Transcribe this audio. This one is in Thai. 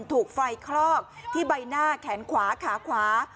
ถูกไฟคลอกที่ใบหน้าแขนขวาขาขวา